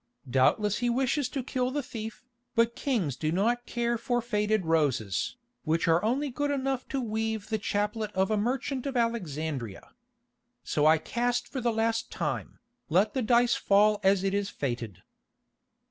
Doubtless he wishes to kill the thief, but kings do not care for faded roses, which are only good enough to weave the chaplet of a merchant of Alexandria. So I cast for the last time, let the dice fall as it is fated."